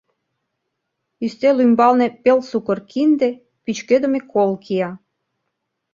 Ӱстел ӱмбалне пел сукыр кинде, пӱчкедыме кол кия.